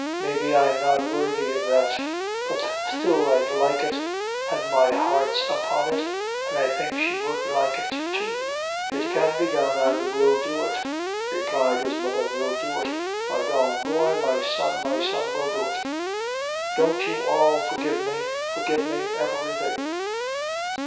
Maybe I'm not worthy of that; but still I'd like it, an' my heart's upon it; an' I think she would like it, too." "It can be done, an' we'll do it," replied his mother; "we'll do it my darlin' boy my son, my son, we'll do it." "Don't you all forgive me forgive me everything?"